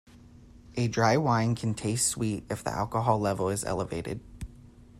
A dry wine can taste sweet if the alcohol level is elevated.